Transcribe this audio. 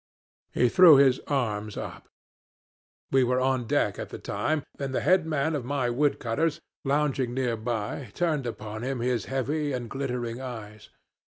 "He threw his arms up. We were on deck at the time, and the headman of my wood cutters, lounging near by, turned upon him his heavy and glittering eyes.